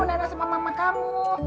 nenek sama mama kamu